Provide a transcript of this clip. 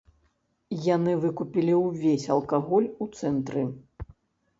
Яны выкупілі ўвесь алкаголь у цэнтры.